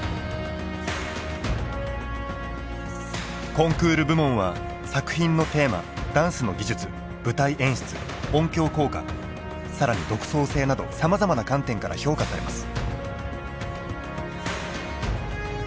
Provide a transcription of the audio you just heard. コンクール部門は作品のテーマダンスの技術舞台演出音響効果更に独創性などさまざまな観点から評価されます。